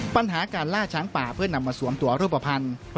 ปัญหาการล่าช้างป่าเพื่อนำมาสวมตัวรูปภัณฑ์